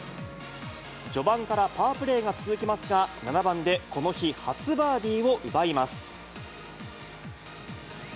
序盤からパープレーが続きますが、７番でこの日、初バーディーを奪います。